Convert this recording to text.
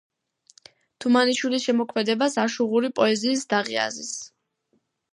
თუმანიშვილის შემოქმედებას აშუღური პოეზიის დაღი აზის.